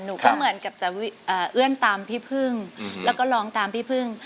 หนูก็เหมือนกับจะเอื้อนตามพี่พึ่งแล้วก็ร้องตามพี่พึ่ง